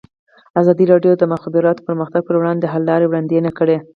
ازادي راډیو د د مخابراتو پرمختګ پر وړاندې د حل لارې وړاندې کړي.